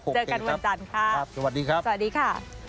เจอกันวันจันทร์ค่ะ